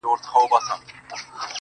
• له څو خوښيو او دردو راهيسي.